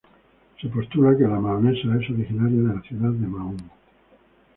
Se postula que la mahonesa es originaria de la ciudad de Mahón.